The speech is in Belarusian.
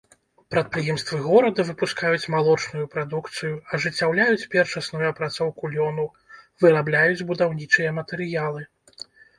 Прадпрыемствы горада выпускаюць малочную прадукцыю, ажыццяўляюць першасную апрацоўку лёну, вырабляюць будаўнічыя матэрыялы.